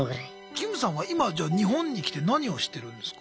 キムさんは今じゃあ日本に来て何をしてるんですか？